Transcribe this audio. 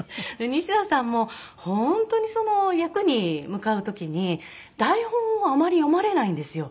西田さんも本当に役に向かう時に台本をあまり読まれないんですよ。